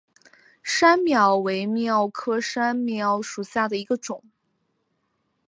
山蓼为蓼科山蓼属下的一个种。